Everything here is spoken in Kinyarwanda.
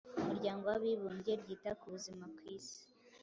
umuryango w'abibumbye ryita ku buzima ku isi,